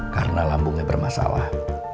karena lambungnya bermasalah